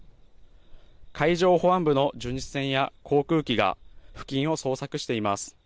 海上保安部の巡視船や航空機が付近を捜索しています。